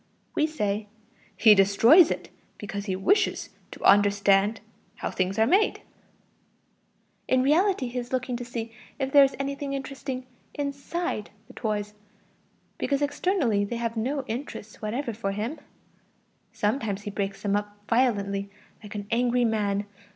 We say: "He destroys it because he wishes to understand [how things are made];" in reality he is looking to see if there is anything interesting inside the toys, because externally they have no interest whatever for him; sometimes he breaks them up violently, like an angry man.